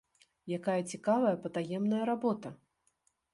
Якая цікавая патаемная работа!